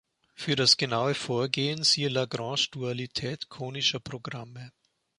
Für das genaue Vorgehen siehe Lagrange-Dualität konischer Programme.